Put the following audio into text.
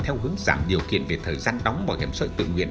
theo hướng giảm điều kiện về thời gian đóng bảo hiểm xã hội tự nguyện